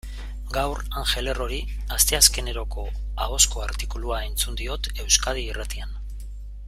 Gaur Angel Errori asteazkeneroko ahozko artikulua entzun diot Euskadi Irratian.